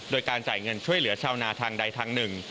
โดยการจ่ายเงินช่วยเหลือชาวนาทางใดทางหนึ่ง